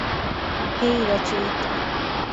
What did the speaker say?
হেই, রচয়িতা।